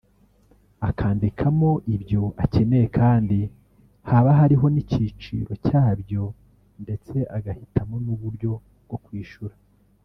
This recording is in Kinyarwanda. akandikamo ibyo akeneye kandi haba hariho n’igiciro cyabyo ndetse agahitamo n’uburyo bwo kwishyura